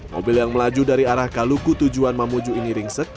mobil yang melaju dari arah kaluku tujuan mamuju ini ringsek